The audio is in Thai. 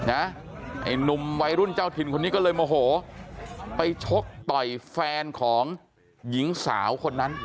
ไอ้หนุ่มวัยรุ่นเจ้าถิ่นคนนี้ก็เลยโมโหไปชกต่อยแฟนของหญิงสาวคนนั้น